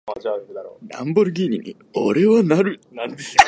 ランボルギーニに、俺はなる！